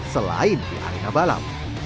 selain di arena balap